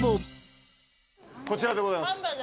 こちらでございます。